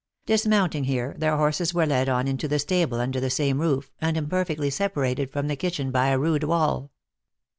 Dis mounting here, their horses were led on into the stable under the same roof, and imperfectly separated from the kitchen by a rude wall.